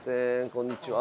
こんにちは。